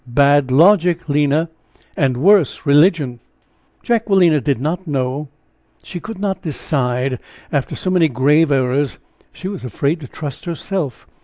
Bad logic, Lina, and worse religion." Jacquelina did not know she could not decide after so many grave errors, she was afraid to trust herself.